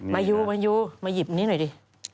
มายูมายูมาหยิบนี้หน่อยดิ